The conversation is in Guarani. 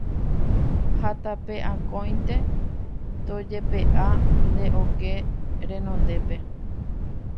Ha tape akóinte tojepe'a ne okẽ renondépe.